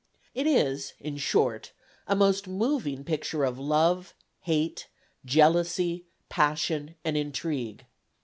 It is, in short, a most moving picture of love, hate, jealousy, passion and intrigue.